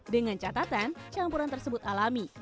dengan catatan campuran tersebut alami